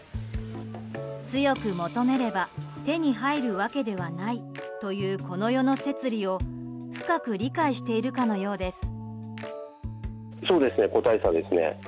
強く求めれば手に入るわけではない。という、この世の摂理を深く理解しているかのようです。